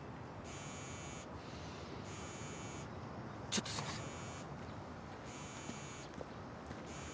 ちょっとすみません。